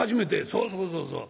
「そうそうそうそう。